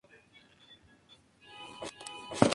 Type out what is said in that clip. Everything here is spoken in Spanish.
Es nativa de Argentina, Bolivia, Perú.